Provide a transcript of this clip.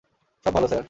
সব ভালো, স্যার।